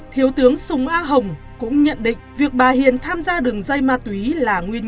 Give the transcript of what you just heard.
thiếu tướng sùng a hồng cũng nhận định việc bà hiền tham gia đường dây ma túy là nguyên